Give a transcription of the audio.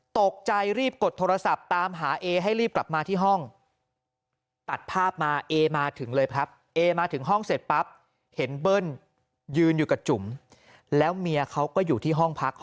ตกใจรีบกดโทรศัพท์ตามหาเอให้รีบกลับมาที่ห้องตัดภาพมาเอมาถึงเลยครับ